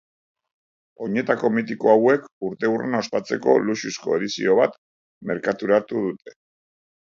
Oinetako mitiko hauek urteurrena ospatzeko luxuzko edizio bat merkaturatu dute.